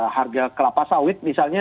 harga kelapa sawit misalnya